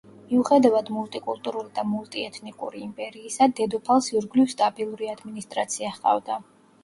მიუხედავად მულტიკულტურული და მულტიეთნიკური იმპერიისა, დედოფალს ირგვლივ სტაბილური ადმინისტრაცია ჰყავდა.